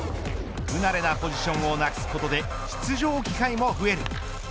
不慣れなポジションをなくすことで出場機会も増える。